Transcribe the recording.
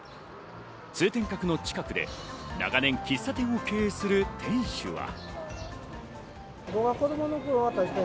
通天閣の近くで長年、喫茶店を経営する店主は。